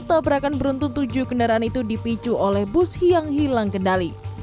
tabrakan beruntun tujuh kendaraan itu dipicu oleh bus yang hilang kendali